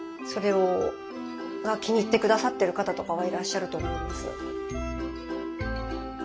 それが気に入って下さってる方とかはいらっしゃると思います。